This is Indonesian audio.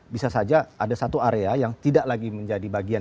bisa saja ada satu area yang tidak lagi menjadi bagian